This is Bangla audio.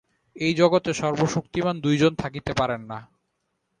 এই জগতে সর্বশক্তিমান দুইজন থাকিতে পারেন না।